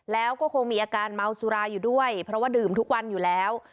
แล้วก็คงมีอาการเมาสุราอยู่ด้วยเพราะว่าดื่มทุกวันอยู่แล้ว